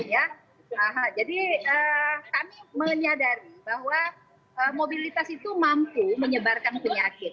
jadi kami menyadari bahwa mobilitas itu mampu menyebarkan penyakit